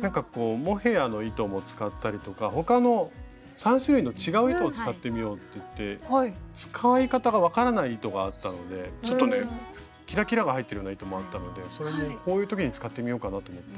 なんかこうモヘアの糸も使ったりとか他の３種類の違う糸を使ってみようっていって使い方が分からない糸があったのでちょっとねキラキラが入ってるような糸もあったのでそれもこういう時に使ってみようかなと思って。